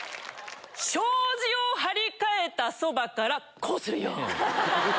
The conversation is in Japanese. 障子を張り替えたそばからこうするよ！